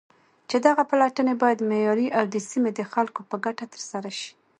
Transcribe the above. چې دغه پلټنې بايد معياري او د سيمې د خلكو په گټه ترسره شي.